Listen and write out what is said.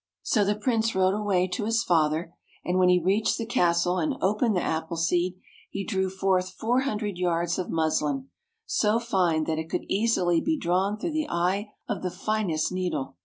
So the Prince rode away to his father, and when he reached the castle and opened the apple seed, he drew forth four hundred yards of muslin, so fine that it could easily be drawn through the eye of the finest needle